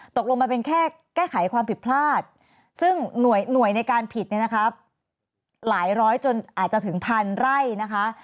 ตกลงมันเป็นแค่แก้ไขความผิดพลาดซึ่งหน่วยในการผิดเนี่ยนะคะหลายร้อยจนอาจจะถึงพันไร่นะคะ